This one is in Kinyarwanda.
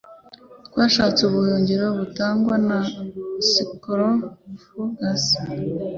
twashakishije ubuhungiro butangwa na sarcofagus